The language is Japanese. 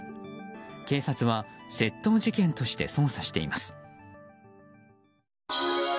警察は窃盗事件として捜査しています。